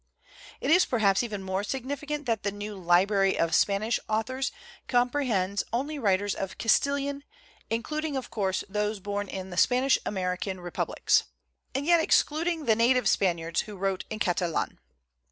It is perhaps even more significant that the new 'Library of Spanish Authors' compre hends only writers of Castilian " including, of course, those born in the Spanish American re publics/ ' and yet excluding the native Spaniards who wrote in Catalan.